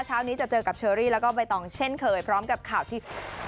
เช้านี้จะเจอกับเชอรี่แล้วก็ใบตองเช่นเคยพร้อมกับข่าวที่